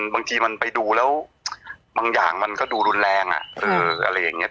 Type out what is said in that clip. บางทีมันไปดูแล้วบางอย่างมันก็ดูรุนแรงอะไรอย่างนี้